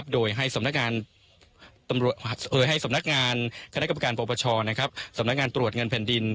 โดยให้สำนักงานรังบุกรัชน์คณะกรรณกรรมภพช้าสำนักงานตรวจเงินแผ่นดิน